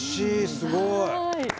すごい！